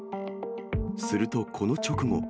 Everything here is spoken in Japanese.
するとこの直後。